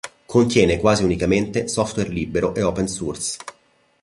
Contiene quasi unicamente software libero e open source.